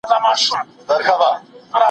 خیر محمد لس روپۍ د وچې ډوډۍ لپاره کمې لرلې.